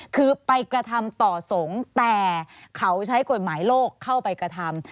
คือไปกระทำต่อสงฆ์แต่เขาใช้กฎหมายโลกเข้าไปกระทำ